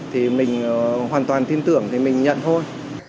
thì mình hoàn toàn tin tưởng thì mình nhận thôi